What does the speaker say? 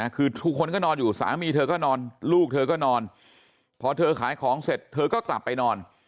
คือทุกคนก็นอนอยู่สามีเธอก็นอนลูกเธอก็นอนพอเธอขายของเสร็จเธอก็กลับไปนอน